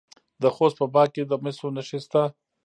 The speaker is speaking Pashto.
د خوست په باک کې د مسو نښې شته.